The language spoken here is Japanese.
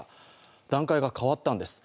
段階が変わったんです。